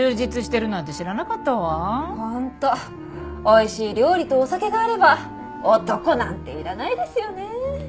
おいしい料理とお酒があれば男なんていらないですよね。